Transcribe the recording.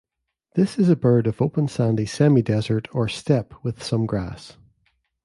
This is a bird of open sandy semi-desert or steppe with some grass.